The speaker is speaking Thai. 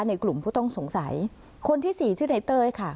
ในกลุ่มผู้ต้องสงสัยคนที่สี่ชื่อในเต้ยค่ะ